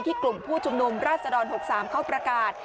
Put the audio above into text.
กลุ่มผู้ชุมนุมราชดร๖๓เข้าประกาศ